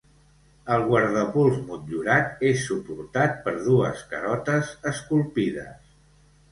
El guardapols motllurat és suportat per dues carotes esculpides.